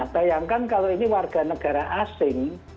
bayangkan kalau ini warga negara asing